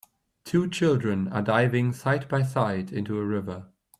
Two children are diving side by side into a river.